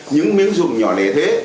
những miếng dùng nhỏ nẻ thế